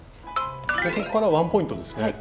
ここからワンポイントですね。